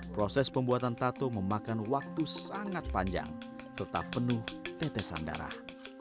proses pembuatan tato memakan waktu sangat panjang tetap penuh tetesan darah